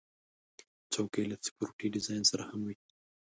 چوکۍ له سپورټي ډیزاین سره هم وي.